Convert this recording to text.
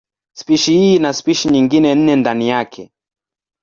Spishi hii ina spishi nyingine nne ndani yake.